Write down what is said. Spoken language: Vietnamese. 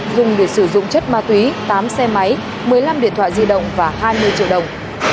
dùng để sử dụng chất ma túy tám xe máy một mươi năm điện thoại di động và hai mươi triệu đồng